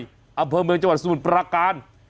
อำเภอเมืองจังหวัดสมุทรปราการ